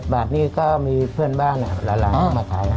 บาทนี้ก็มีเพื่อนบ้านหลานมาขาย